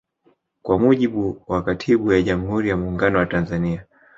Kwa mujibu wa katiba ya jamhuri ya muungano wa Tanzania